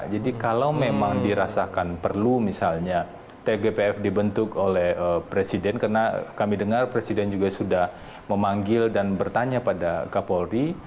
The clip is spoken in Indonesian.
jadi kalau memang dirasakan perlu misalnya tgpf dibentuk oleh presiden karena kami dengar presiden juga sudah memanggil dan bertanya pada kapolri